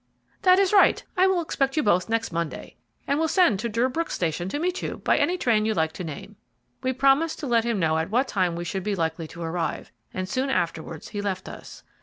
"That is right. I will expect you both next Monday, and will send to Durbrook Station to meet you, by any train you like to name." We promised to let him know at what time we should be likely to arrive, and soon afterwards he left us.